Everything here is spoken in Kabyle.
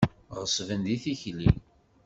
Ɣeṣben di tikli.